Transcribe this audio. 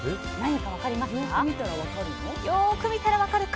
何か分かりますか？